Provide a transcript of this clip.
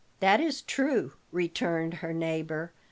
"That is true," returned her neighbor.